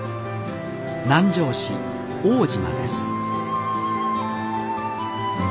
南城市奥武島です